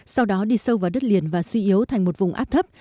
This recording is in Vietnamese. sau đó đi sâu vào đất liền và suy yếu thành một vùng áp thấp